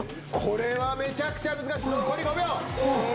これはめちゃくちゃ難しい！